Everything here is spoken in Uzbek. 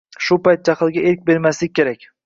Shu payt jahlga erk bermaslik muhim.